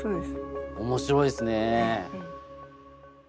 面白いですね。